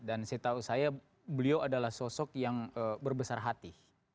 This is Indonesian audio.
dan saya tahu beliau adalah sosok yang berbesar hati